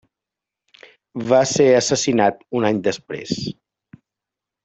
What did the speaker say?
Va ser assassinat un any després.